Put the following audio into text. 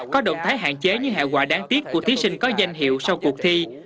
có động thái hạn chế những hệ quả đáng tiếc của thí sinh có danh hiệu sau cuộc thi